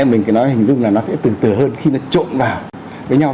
mình phải nói hình dung là nó sẽ từ từ hơn khi nó trộn vào với nhau